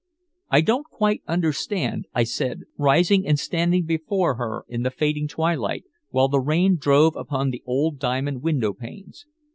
"I don't quite understand," I said, rising and standing before her in the fading twilight, while the rain drove upon the old diamond window panes.